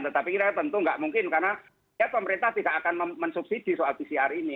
tetapi kita tentu nggak mungkin karena ya pemerintah tidak akan mensubsidi soal pcr ini